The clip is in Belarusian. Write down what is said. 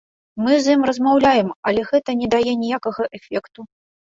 Мы з ім размаўляем, але гэта не дае ніякага эфекту.